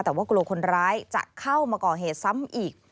แต่ว่ากลัวคนร้ายจะเข้ามาก่อเหตุซ้ำอีก